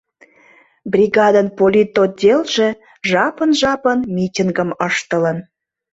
Бригадын политотделже жапын-жапын митингым ыштылын.